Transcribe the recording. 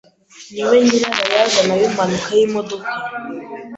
Niwe nyirabayazana w'impanuka y'imodoka.